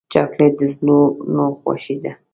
چاکلېټ د زړونو خوښي ده.